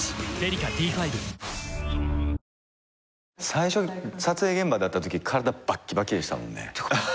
最初撮影現場で会ったとき体バッキバキでしたもんね。